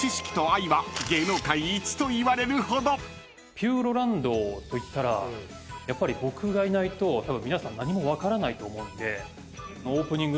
ピューロランドといったらやっぱり僕がいないとたぶん皆さん何も分からないと思うんで。